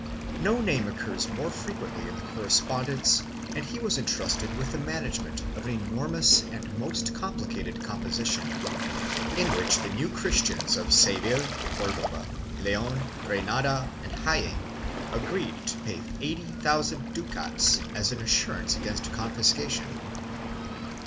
No name occurs more frequently in the correspondence and he was entrusted with the management of an enormous and most complicated composition, in which the New Christians of Seville, Cordova, Leon, Granada and Jaen agreed to pay eighty thousand ducats as an assurance against confiscation.